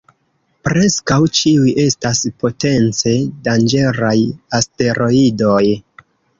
Preskaŭ ĉiuj estas potence danĝeraj asteroidoj.